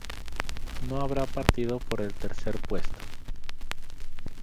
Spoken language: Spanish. No habrá partido por el tercer puesto.